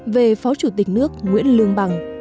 về phó chủ tịch nước nguyễn lương bằng